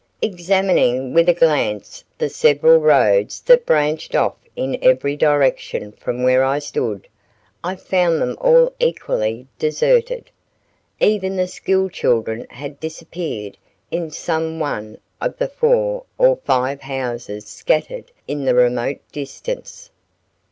Examining with a glance the several roads that branched off in every direction from where I stood, I found them all equally deserted. Even the school children had disappeared in some one of the four or five houses scattered in the remote distance.